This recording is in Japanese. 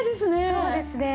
そうですね。